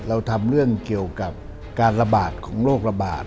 เราทำเรื่องเกี่ยวกับการระบาดของโรคระบาด